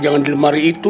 jangan di lemari itu